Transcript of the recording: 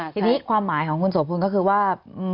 ทีนี้ความหมายของคุณโสพลก็คือว่า